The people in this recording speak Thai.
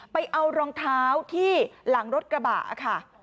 ไปเอารองเท้าที่หลังรถกระบะค่ะ